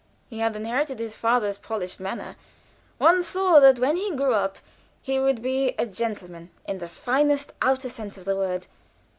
He had inherited his father's polished manner; one saw that when he grew up he would be a "gentleman," in the finest outer sense of the word.